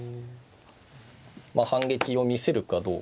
反撃を見せるかどうか。